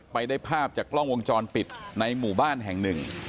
ไปได้ภาพจากกล้องวงจรปิดในหมู่บ้านแห่งหนึ่ง